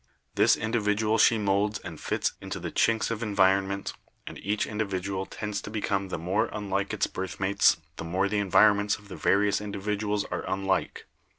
This individual she molds and fits into the chinks of environment, and each individual tends to become the more unlike its birth mates the more the environments of the various indi viduals are unlike.